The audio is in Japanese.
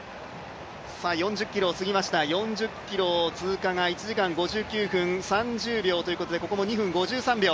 ４０ｋｍを過ぎました４０ｋｍ通過が１時間５９分３０秒ということでここも２分５３秒。